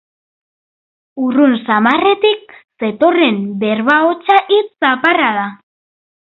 Urrun samarretik zetorren berba hotsa, hitz zaparrada.